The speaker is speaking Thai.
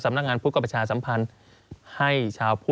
สำหรับสนุนโดยหวานได้ทุกที่ที่มีพาเลส